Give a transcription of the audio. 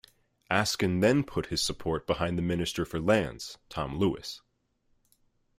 Askin then put his support behind the Minister for Lands, Tom Lewis.